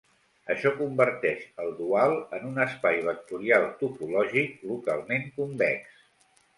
Això converteix el dual en un espai vectorial topològic localment convex.